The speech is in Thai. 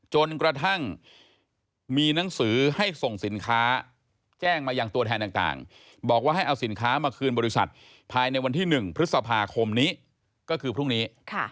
จนกระทั่งมีหนังสือให้ส่งสินค้าแจ้งมายังตัวแทนต่างบอกว่าให้เอาสินค้ามาคืนบริษัทภายในวันที่๑พฤษภาคมนี้ก็คือพรุ่งนี้